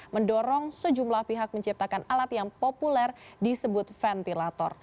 mendorong sejumlah pihak menciptakan alat yang populer disebut ventilator